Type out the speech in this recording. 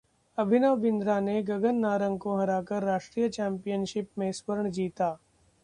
अभिनव बिंद्रा ने गगन नारंग को हराकर राष्ट्रीय चैंपियनशिप में स्वर्ण जीता